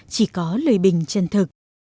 chỉ có lời bình chân thực